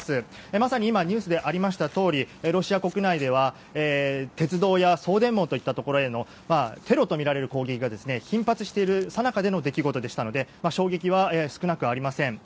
まさに今ニュースでありましたとおりロシア国内では鉄道や送電網といったところへのテロとみられる攻撃が頻発しているさなかでの出来事でしたので衝撃は少なくありません。